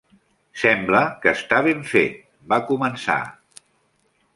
"Sembla que està ben fet", va començar.